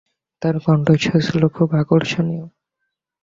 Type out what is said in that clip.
তার কণ্ঠস্বর ছিল খুবই আকর্ষণীয়।